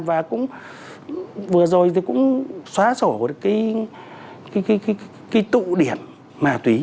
và cũng vừa rồi thì cũng xóa sổ được cái tụ điểm ma túy